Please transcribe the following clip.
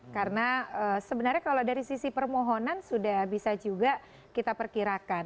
karena sebenarnya kalau dari sisi permohonan sudah bisa juga kita perkirakan